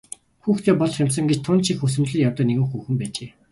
Хүүхэдтэй болох юмсан гэж тун ч их хүсэмжлэн явдаг нэгэн хүүхэн байжээ.